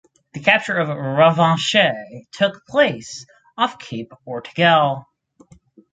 The capture of "Revanche" took place off Cape Ortegal.